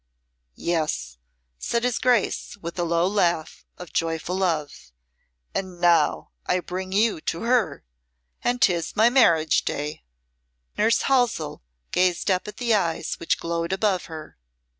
"Yes," said his Grace, with a low laugh of joyful love, "and now I bring you to her, and 'tis my marriage day." Nurse Halsell gazed up at the eyes which glowed above her.